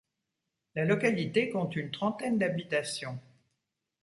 La localité compte une trentaine d'habitations.